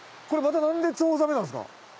これまた何でチョウザメなんですか？